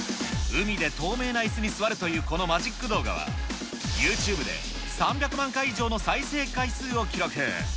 海で透明ないすに座るというこのマジック動画は、ユーチューブで３００万回以上の再生回数を記録。